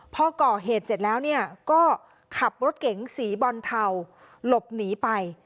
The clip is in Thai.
พ่อก่อเหตุเสร็จแล้วคับรถเก๋งสีบอลเทาหลบหนีไป